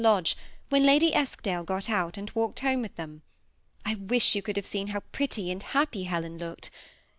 kdge^ when Lady Eskdale got out, and walked home with th^n. I wish you could have seen how pretty and ha|^y Heleft looked.